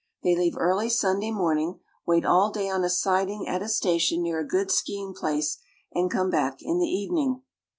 They leave early Sunday morning, wait all day on a siding at a station near a good skiing place, and come back in the evening.